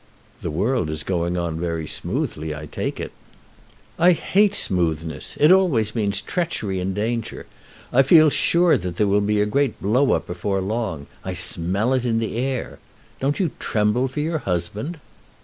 "The world is going on very smoothly, I take it." "I hate smoothness. It always means treachery and danger. I feel sure that there will be a great blow up before long. I smell it in the air. Don't you tremble for your husband?"